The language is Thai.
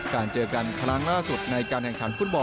เจอกันครั้งล่าสุดในการแข่งขันฟุตบอล